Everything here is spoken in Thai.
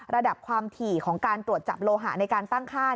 ระดับความถี่ของการตรวจจับโลหะในการตั้งค่าย